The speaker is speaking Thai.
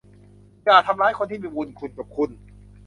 อย่าทำร้ายคนที่มีบุญคุณกับคุณ